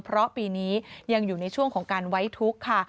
เพราะปีนี้ยังอยู่ในช่วงของการไว้ทุกข์ค่ะ